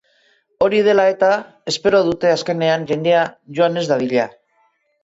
Hori dela eta, espero dute azkenean jendea joan ez dadila.